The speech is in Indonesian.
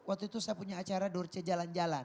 waktu itu saya punya acara dorce jalan jalan